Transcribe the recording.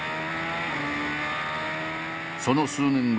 その数年後